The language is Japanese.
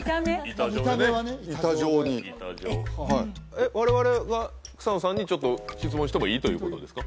板状のね板状にはいえっ我々は草野さんにちょっと質問してもいいということですか？